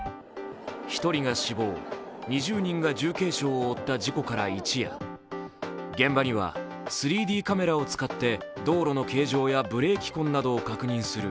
１人が死亡、２０人が重軽傷を負った事故から一夜現場には３Ｄカメラを使って道路の形状や確認する